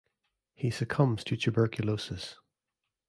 He succumbs to tuberculosis.